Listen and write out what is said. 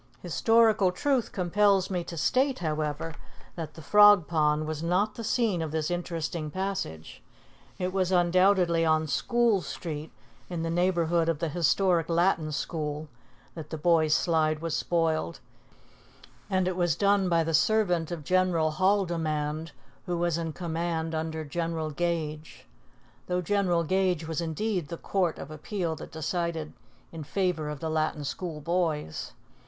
Historical truth compels me to state, however, that the Frog Pond was not the scene of this interesting passage. It was undoubtedly on School Street, in the neighborhood of the historic Latin School, that the boys' slide was spoiled, and it was done by the servant of General Haldimand, who was in command under General Gage, though General Gage was indeed the court of appeal that decided in favor of the Latin School boys.